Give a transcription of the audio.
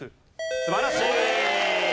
素晴らしい！